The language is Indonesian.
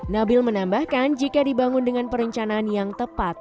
nabil menambahkan jika dibangun dengan perencanaan yang tepat